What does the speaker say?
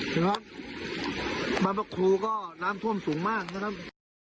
ดูครับบ้านครูก็น้ำถว่มสูงมากนะครับ